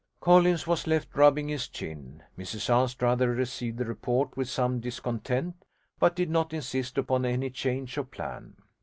Collins was left rubbing his chin. Mrs Anstruther received the report with some discontent, but did not insist upon any change of plan.